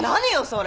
それ！